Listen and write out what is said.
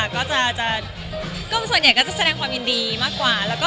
ก็จะส่วนใหญ่ก็จะแสดงความยินดีมากกว่า